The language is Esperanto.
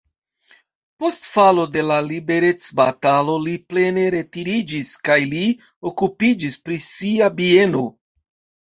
Post falo de la liberecbatalo li plene retiriĝis kaj li okupiĝis pri sia bieno.